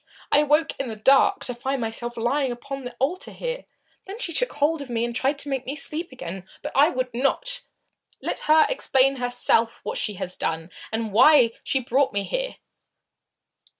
I awoke in the dark to find myself lying upon the altar here. Then she took hold of me and tried to make me sleep again. But I would not. Let her explain, herself, what she has done, and why she brought me here!"